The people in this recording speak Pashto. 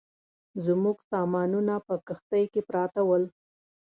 زموږ سامانونه په کښتۍ کې پراته ول.